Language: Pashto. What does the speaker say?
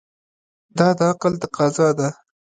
دا د عقل تقاضا ده.